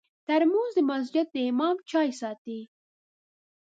ترموز د مسجد د امام چای ساتي.